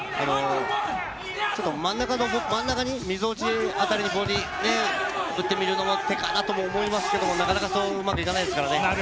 真ん中にみぞおち辺りにボディ打ってみるのが手かなと思いますけどなかなかそううまくいかないですからね。